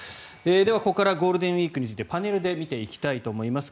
では、ここからゴールデンウィークについてパネルで見ていきたいと思います。